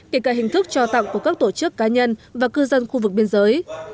kể cả hình thức cho tặng của các tổ chức cá nhân và cư dân khu vực biên giới